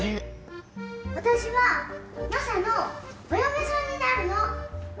私はマサのお嫁さんになるの！